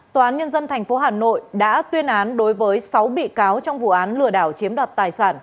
tòa án nhân dân tp hà nội đã tuyên án đối với sáu bị cáo trong vụ án lừa đảo chiếm đoạt tài sản